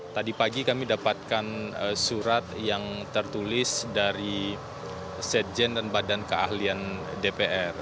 tadi pagi kami dapatkan surat yang tertulis dari sekjen dan badan keahlian dpr